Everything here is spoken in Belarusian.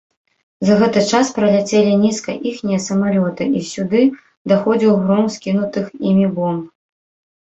За гэты час праляцелі нізка іхнія самалёты, і сюды даходзіў гром скінутых імі бомб.